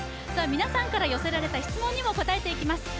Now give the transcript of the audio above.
皆さんから寄せられた質問にも答えていきます。